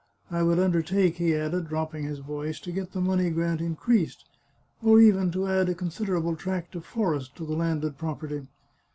I would under take," he added, dropping his voice, " to get the money grant increased, or even to add a considerable tract of forest to the landed property.